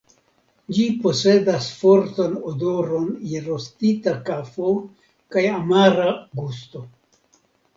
Ĝi posedas fortan odoron je rostita kafo kaj amara gusto.